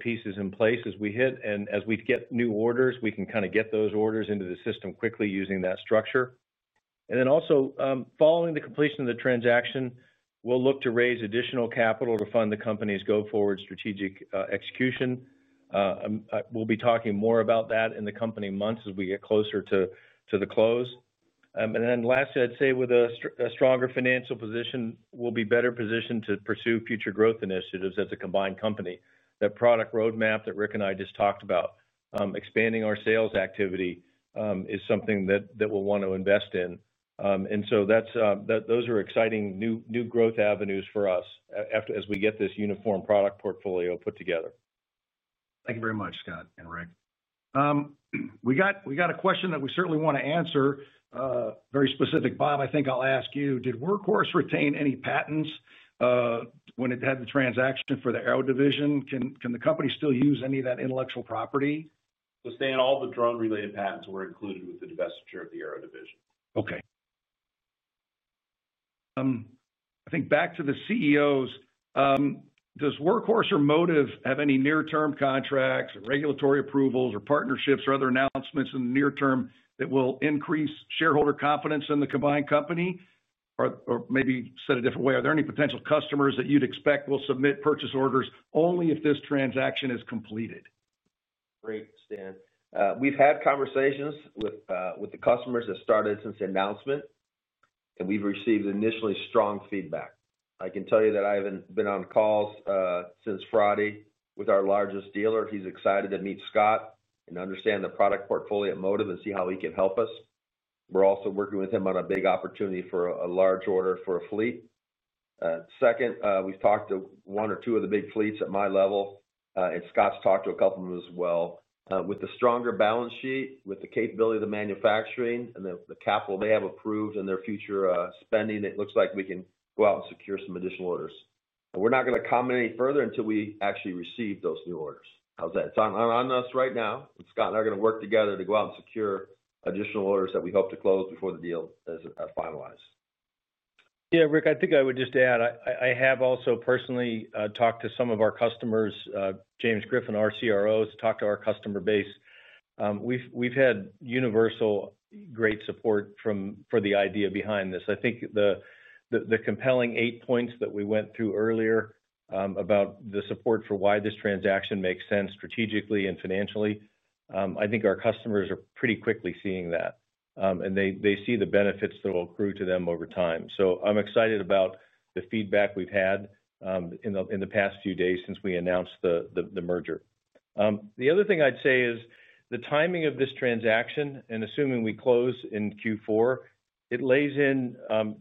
pieces in place as we hit, and as we get new orders, we can kind of get those orders into the system quickly using that structure. Also, following the completion of the transaction, we'll look to raise additional capital to fund the company's go-forward strategic execution. We'll be talking more about that in the coming months as we get closer to the close. Lastly, I'd say with a stronger financial position, we'll be better positioned to pursue future growth initiatives as a combined company. That product roadmap that Rick and I just talked about, expanding our sales activity is something that we'll want to invest in. Those are exciting new growth avenues for us as we get this uniform product portfolio put together. Thank you very much, Scott and Rick. We got a question that we certainly want to answer. Very specific, Bob, I think I'll ask you. Did Workhorse retain any patents when it had the transaction for the aero division? Can the company still use any of that intellectual property? Stan, all the drone-related patents were included with the divestiture of the Aero division. Okay. I think back to the CEOs. Does Workhorse or Motiv have any near-term contracts or regulatory approvals or partnerships or other announcements in the near term that will increase shareholder confidence in the combined company? Maybe set a different way, are there any potential customers that you'd expect will submit purchase orders only if this transaction is completed? Great, Stan. We've had conversations with the customers that started since the announcement, and we've received initially strong feedback. I can tell you that I have been on calls since Friday with our largest dealer. He's excited to meet Scott and understand the product portfolio at Motiv and see how he can help us. We're also working with him on a big opportunity for a large order for a fleet. We've talked to one or two of the big fleets at my level, and Scott's talked to a couple of them as well. With the stronger balance sheet, with the capability of the manufacturing and the capital they have approved in their future spending, it looks like we can go out and secure some additional orders. We're not going to comment any further until we actually receive those new orders. How's that? It's on us right now. Scott and I are going to work together to go out and secure additional orders that we hope to close before the deal is finalized. Yeah, Rick, I think I would just add, I have also personally talked to some of our customers, James Griffin, our CRO, has talked to our customer base. We've had universal, great support for the idea behind this. I think the compelling eight points that we went through earlier about the support for why this transaction makes sense strategically and financially, I think our customers are pretty quickly seeing that. They see the benefits that will accrue to them over time. I'm excited about the feedback we've had in the past few days since we announced the merger. The other thing I'd say is the timing of this transaction, and assuming we close in Q4, it lays in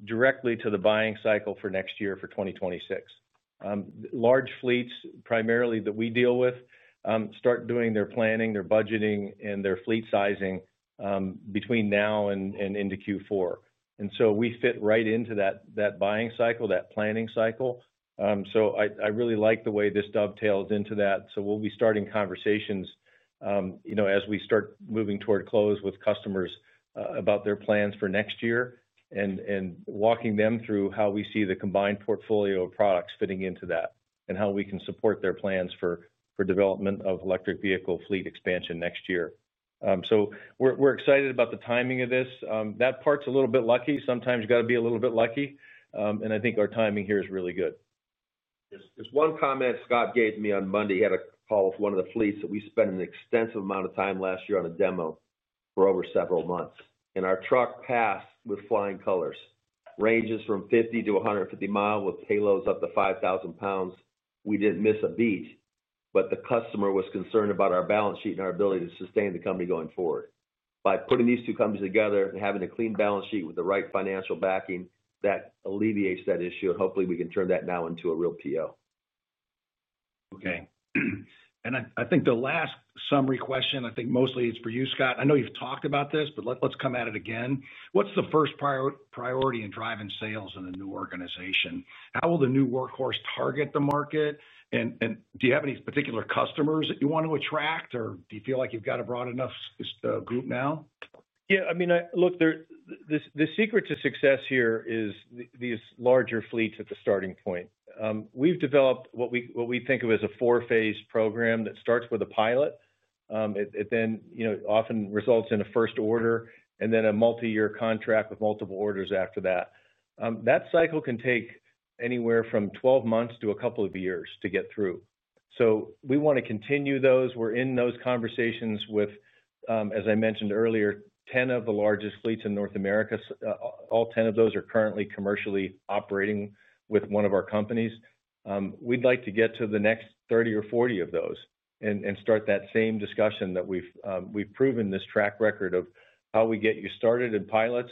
directly to the buying cycle for next year, for 2026. Large fleets, primarily that we deal with, start doing their planning, their budgeting, and their fleet sizing between now and into Q4, and we fit right into that buying cycle, that planning cycle. I really like the way this dovetails into that. We'll be starting conversations as we start moving toward close with customers about their plans for next year and walking them through how we see the combined portfolio of products fitting into that and how we can support their plans for development of electric vehicle fleet expansion next year. We're excited about the timing of this. That part's a little bit lucky. Sometimes you've got to be a little bit lucky. I think our timing here is really good. There's one comment Scott gave to me on Monday. He had a call with one of the fleets that we spent an extensive amount of time last year on a demo for over several months, and our truck passed with flying colors. Ranges from 50 mi- 150 mi with payloads up to 5,000 lbs. We didn't miss a beat. The customer was concerned about our balance sheet and our ability to sustain the company going forward. By putting these two companies together and having a clean balance sheet with the right financial backing, that alleviates that issue. Hopefully, we can turn that now into a real PO. Okay. I think the last summary question, I think mostly it's for you, Scott. I know you've talked about this, but let's come at it again. What's the first priority in driving sales in a new organization? How will the new Workhorse target the market? Do you have any particular customers that you want to attract, or do you feel like you've got a broad enough group now? Yeah, I mean, look, the secret to success here is these larger fleets at the starting point. We've developed what we think of as a four-phase program that starts with a pilot. It then often results in a first order and then a multi-year contract with multiple orders after that. That cycle can take anywhere from 12 months to a couple of years to get through. We want to continue those. We're in those conversations with, as I mentioned earlier, 10 of the largest fleets in North America. All 10 of those are currently commercially operating with one of our companies. We'd like to get to the next 30 or 40 of those and start that same discussion that we've proven this track record of how we get you started in pilots,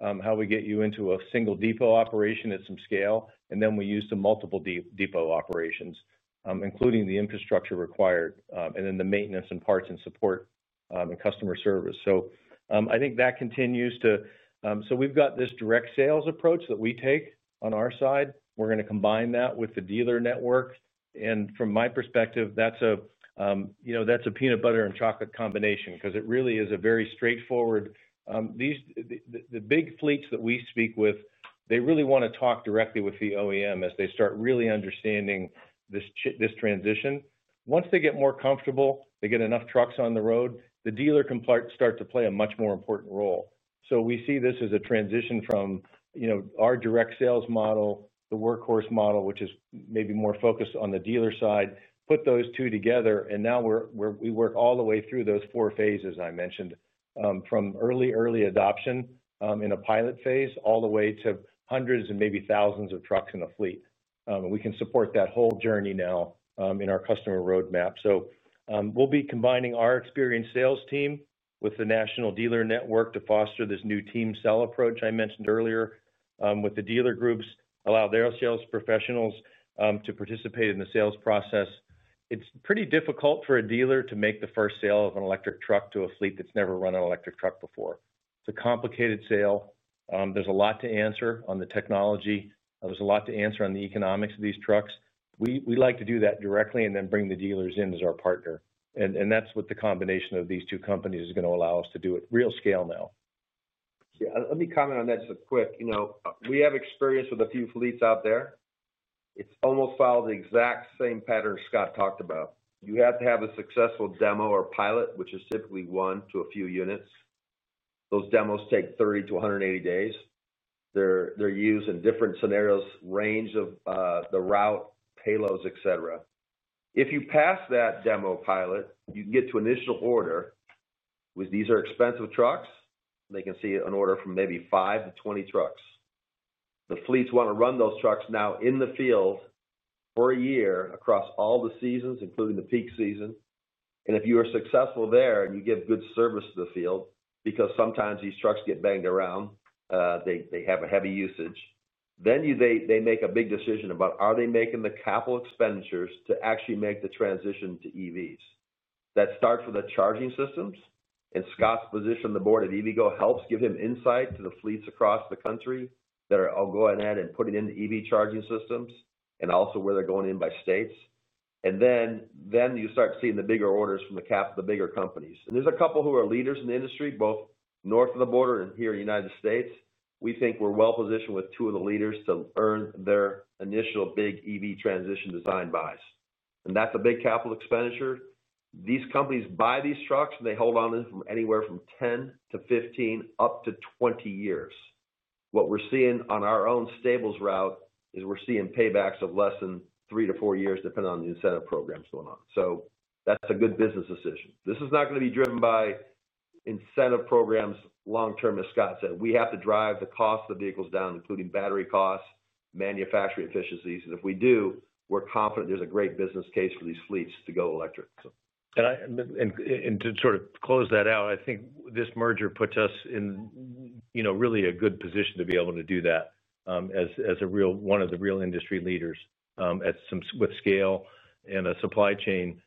how we get you into a single depot operation at some scale, and then we use the multiple depot operations, including the infrastructure required, and then the maintenance and parts and support and customer service. I think that continues to, we've got this direct sales approach that we take on our side. We're going to combine that with the dealer network. From my perspective, that's a, you know, that's a peanut butter and chocolate combination because it really is a very straightforward, the big fleets that we speak with, they really want to talk directly with the OEM as they start really understanding this transition. Once they get more comfortable, they get enough trucks on the road, the dealer can start to play a much more important role. We see this as a transition from our direct sales model, the Workhorse model, which is maybe more focused on the dealer side, put those two together, and now we work all the way through those four phases I mentioned, from early, early adoption in a pilot phase all the way to hundreds and maybe thousands of trucks in a fleet. We can support that whole journey now in our customer roadmap. We'll be combining our experienced sales team with the national dealer network to foster this new team sell approach I mentioned earlier with the dealer groups, allow their sales professionals to participate in the sales process. It's pretty difficult for a dealer to make the first sale of an electric truck to a fleet that's never run an electric truck before. It's a complicated sale. There's a lot to answer on the technology. There's a lot to answer on the economics of these trucks. We like to do that directly and then bring the dealers in as our partner. That's what the combination of these two companies is going to allow us to do at real scale now. Yeah. Let me comment on that just quick. You know, we have experience with a few fleets out there. It's almost followed the exact same pattern Scott talked about. You have to have a successful demo or pilot, which is typically one to a few units. Those demos take 30-180 days. They're used in different scenarios, range of the route, payloads, et cetera. If you pass that demo pilot, you can get to initial order, which these are expensive trucks. They can see an order from maybe 5-20 trucks. The fleets want to run those trucks now in the field for a year across all the seasons, including the peak season. If you are successful there and you give good service to the field, because sometimes these trucks get banged around, they have a heavy usage, they make a big decision about are they making the capital expenditures to actually make the transition to EVs. That starts with the charging systems. Scott's position on the board at EVgo helps give him insight to the fleets across the country that are all going in and putting in EV charging systems and also where they're going in by states. You start seeing the bigger orders from the bigger companies. There are a couple who are leaders in the industry, both north of the border and here in the United States. We think we're well positioned with two of the leaders to earn their initial big EV transition design buys. That's a big capital expenditure. These companies buy these trucks and they hold on to them from anywhere from 10 to 15, up to 20 years. What we're seeing on our own stables route is we're seeing paybacks of less than 3-4 years, depending on the incentive programs going on. That's a good business decision. This is not going to be driven by incentive programs long term, as Scott said. We have to drive the cost of the vehicles down, including battery costs, manufacturing efficiencies. If we do, we're confident there's a great business case for these fleets to go electric. To sort of close that out, I think this merger puts us in really a good position to be able to do that as one of the real industry leaders with scale and a supply chain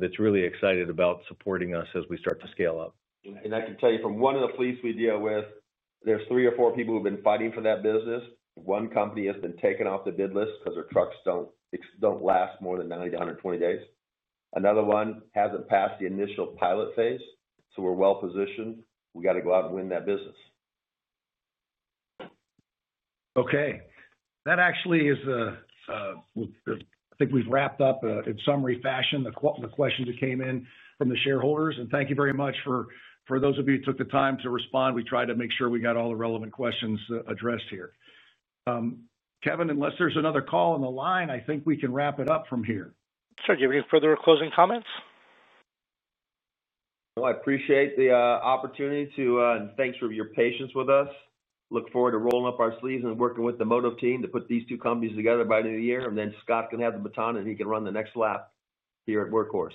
that's really excited about supporting us as we start to scale up. I can tell you from one of the fleets we deal with, there's three or four people who've been fighting for that business. One company has been taken off the bid list because their trucks don't last more than 90-120 days. Another one hasn't passed the initial pilot phase. We are well positioned. We got to go out and win that business. Okay. That actually is, I think we've wrapped up in summary fashion, the questions that came in from the shareholders. Thank you very much for those of you who took the time to respond. We tried to make sure we got all the relevant questions addressed here. Kevin, unless there's another call on the line, I think we can wrap it up from here. Sir, do you have any further closing comments? I appreciate the opportunity to, and thanks for your patience with us. I look forward to rolling up our sleeves and working with the Motiv team to put these two companies together by the new year. Scott can have the baton and he can run the next lap here at Workhorse.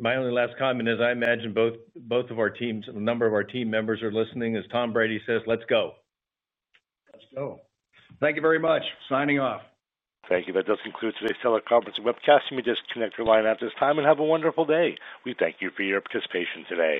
My only last comment is I imagine both of our teams and a number of our team members are listening. As Tom Brady says, let's go. Let's go. Thank you very much. Signing off. Thank you. That does conclude today's teleconferencing webcast. You may disconnect your line at this time and have a wonderful day. We thank you for your participation today.